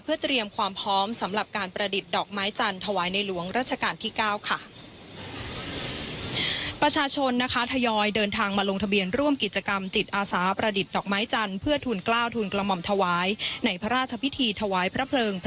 เพื่อเตรียมความพร้อมสำหรับการประดิษฐ์ดอกไม้จันทร์